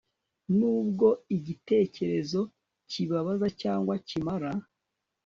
nubwo igitekerezo kibabaza cyangwa kimara